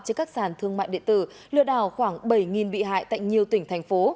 trên các sàn thương mại điện tử lừa đảo khoảng bảy bị hại tại nhiều tỉnh thành phố